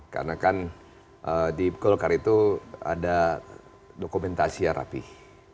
karena kan di golkar itu ada dokumentasi yang rapih